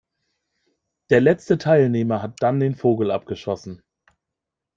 Der letzte Teilnehmer hat dann den Vogel abgeschossen.